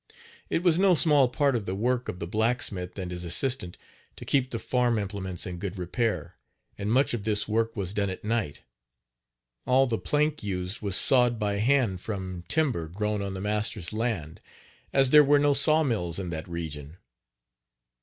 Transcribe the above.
It was no small part of the work of the blacksmith and his assistant to keep the farm implements in good repair, and much of this work was done at night. All the plank used was sawed by hand from timber grown on the master's land, as there Page 36 were no saw mills in that region.